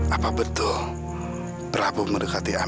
apa betul prabu mendekati ang